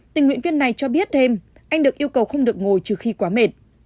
tình nguyện viên này cho biết thêm anh được yêu cầu không được ngồi trừ khi quá mệt